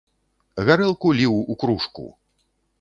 Гарэлку ліў у кружку!